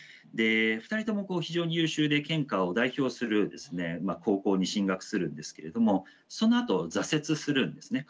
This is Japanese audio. ２人とも非常に優秀で県下を代表する高校に進学するんですけれどもそのあと挫折するんですね。